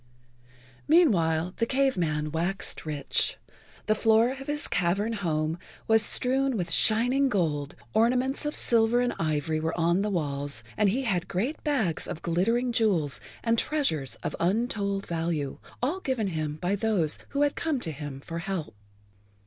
[Pg 50]Meanwhile the Cave Man waxed rich. The floor of his cavern home was strewn with shining gold, ornaments of silver and ivory were on the walls, and he had great bags of glittering jewels and treasures of untold value, all given him by those who had come to him for help.